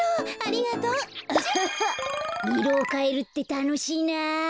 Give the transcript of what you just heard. いろをかえるってたのしいな。